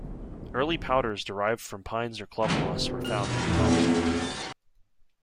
Early powders derived from pines or club moss were found to be toxic.